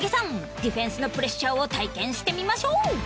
ディフェンスのプレッシャーを体験してみましょう